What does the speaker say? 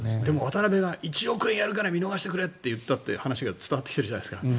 渡邉容疑者が１億円やるから見逃してくれって言ってたって話が伝わってきているじゃないですか